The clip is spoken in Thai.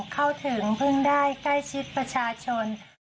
เข้าถึงเพิ่งได้ใกล้ชิดประชาชน